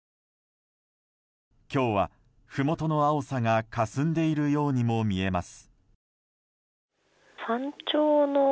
今日は、ふもとの青さがかすんでいるようにも見えます。